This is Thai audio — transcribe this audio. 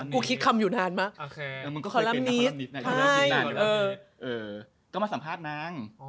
กูคิดคำอยู่นานมากนะ